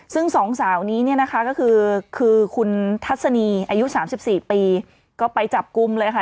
ซึ่งสองสาวนี้เนี่ยนะคะก็คือคุณทัศนีอายุ๓๔ปีก็ไปจับกลุ่มเลยค่ะ